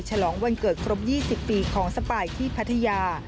ฉลองวันเกิดครบ๒๐ปีของสปายที่พัทยา